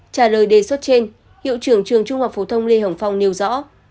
trả lời đề xuất trên hiệu trưởng trường trung học phổ thông lê hồng phong nêu rõ